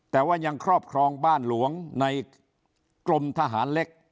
แต่ว่ายังครอบครองบ้านหลวงในกรมทหารเล็ก